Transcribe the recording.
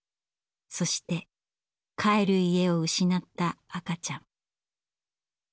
そして「帰る家」を失った赤ちゃん。